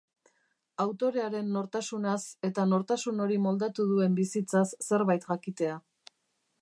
Autorearen nortasunaz eta nortasun hori moldatu duen bizitzaz zerbait jakitea.